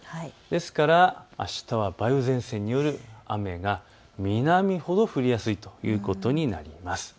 ですからあしたは梅雨前線による雨が南ほど降りやすいということになります。